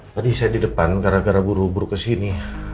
tadi saya di depan gara gara buru buru kesini